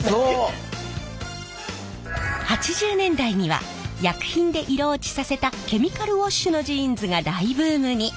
８０年代には薬品で色落ちさせたケミカルウォッシュのジーンズが大ブームに。